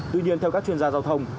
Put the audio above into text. tuy nhiên theo các chuyên gia giao thông